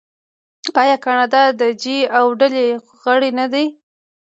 آیا کاناډا د جي اوه ډلې غړی نه دی؟